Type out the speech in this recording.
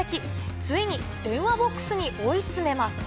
ついに電話ボックスに追い詰めます。